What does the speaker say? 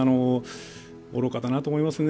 愚かだなと思いますね。